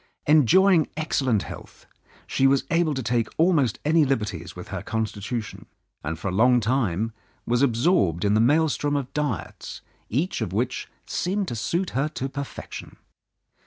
Enjoying excellent health, she was able to take almost any liberties with her constitution, and for a long time was absorbed in the maelstrom of diets, each of which seemed to suit her to perfection.